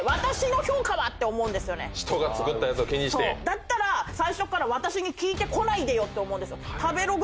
だったら最初から私に聞いてこないでよ！って思うんですよ。